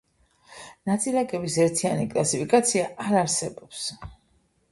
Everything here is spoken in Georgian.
ნაწილაკების ერთიანი კლასიფიკაცია არ არსებობს.